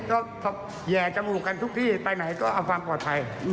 ก็แห่จมูกกันทุกที่ไปไหนก็เอาความปลอดภัย